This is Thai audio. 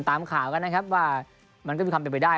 ตามข่าวกันนะครับว่ามันก็มีความเป็นไปได้